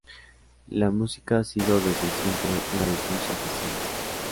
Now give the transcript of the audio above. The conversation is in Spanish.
La música ha sido desde siempre una de sus aficiones.